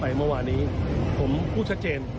เพราะฉะนั้นเนี่ยสวิงหัวมีแปดมาแน่นอน